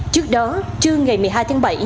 trước đó trưa ngày một mươi hai tháng bảy